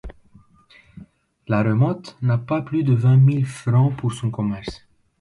La Romette n’a pas plus de vingt mille francs pour son commerce.